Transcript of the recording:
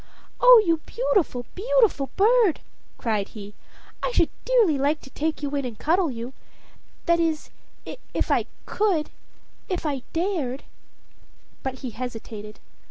"Oh, you beautiful, beautiful bird!" cried he; "I should dearly like to take you in and cuddle you. That is, if I could if I dared." But he hesitated.